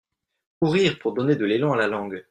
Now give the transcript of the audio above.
Courir pour donner de l’élan à la langue.